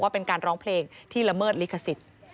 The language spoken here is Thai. เป็นการร้องเพลงที่ละเมิดลิขสิทธิ์